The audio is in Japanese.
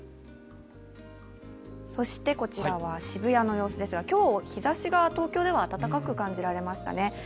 そして、こちらは渋谷の様子ですが今日、日ざしが東京では暖かく感じられましたね。